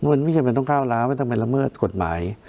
มันไม่จำเป็นต้องก้าวล้าไม่ต้องไปละเมิดกฎหมาย